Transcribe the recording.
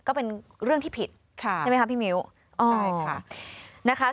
ก็เป็นเรื่องที่ผิดใช่ไหมคะพี่มิวอ๋อนะคะใช่ค่ะ